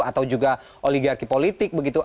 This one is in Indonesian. atau juga oligarki politik begitu